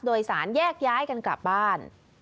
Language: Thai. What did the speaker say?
โดยสารแยกย้ายกันกลับบ้าน